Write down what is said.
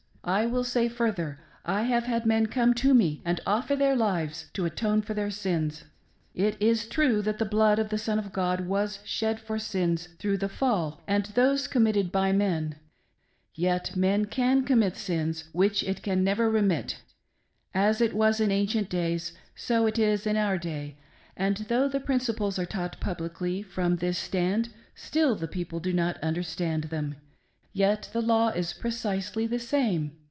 I will say, further, I have had men come to me and offer their lives to atone for their sins. " It is true that the blood of the Son of God was shed for sins through the fall and those committed by men, yet men can commit sins which it can never remit. As ;t v. :is in ancient days, so it is in our day ; and though the principles are taught publicly from this stand, still the people do not understand them ; yet the law is precisely the same.